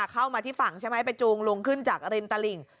เข้ามาที่ฝั่งใช่ไหมไปจูงลุงขึ้นจากริมตลิ่ง